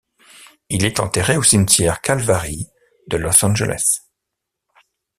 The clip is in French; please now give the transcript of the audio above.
Il est enterré au cimetière Calvary de Los Angeles.